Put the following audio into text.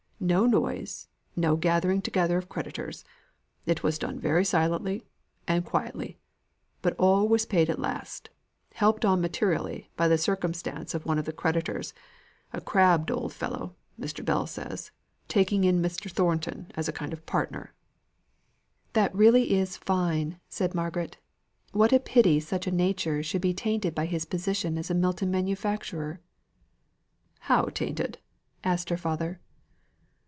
No noise no gathering together of creditors it was done very silently and quietly, but all was paid at last; helped on materially by the circumstance of one of the creditors, a crabbed old fellow (Mr. Bell says), taking in Mr. Thornton as a kind of partner." "That really is fine," said Margaret. "What a pity such a nature should be tainted by his position as a Milton manufacturer." "How tainted?" asked her father.